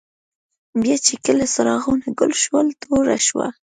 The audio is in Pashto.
بیا چي کله څراغونه ګل شول، توره شوه.